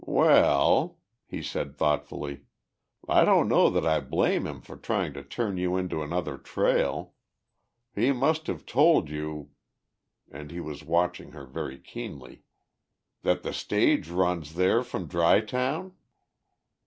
"Well," he said thoughtfully, "I don't know that I blame him for trying to turn you into another trail. He must have told you," and he was watching her very keenly, "that the stage runs there from Dry Town?"